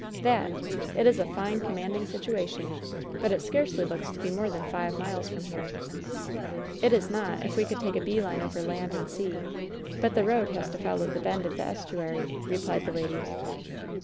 "That! It is a fine, commanding situation, but it scarcely looks to be more than five miles from here." "It is not, if we could take a bee line over land and sea, but the road has to follow the bend of the estuary," replied the lady.